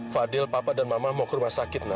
fadil papa dan mama mau ke rumah sakit